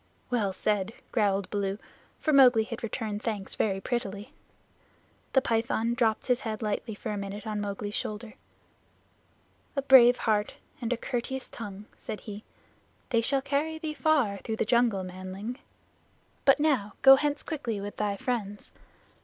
"Well said," growled Baloo, for Mowgli had returned thanks very prettily. The Python dropped his head lightly for a minute on Mowgli's shoulder. "A brave heart and a courteous tongue," said he. "They shall carry thee far through the jungle, manling. But now go hence quickly with thy friends.